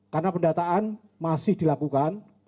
karena pendataan masih dilakukan